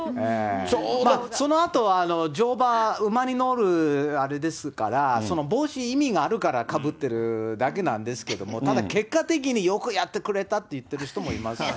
そのあとは乗馬、馬に乗るあれですから、帽子、意味があるからかぶってるだけなんですけども、ただ結果的によくやってくれたって言ってる人もいました。